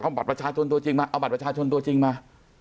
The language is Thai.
เอาบัตรประชาชนตัวจริงมาเอาบัตรประชาชนตัวจริงมา